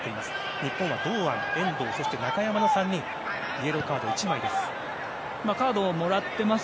日本は堂安、遠藤、中山の３人がイエローカード１枚です。